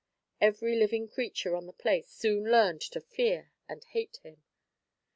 Every living creature on the place soon learned to fear and hate him.